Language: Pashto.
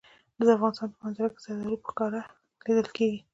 د افغانستان په منظره کې زردالو په ښکاره لیدل کېږي.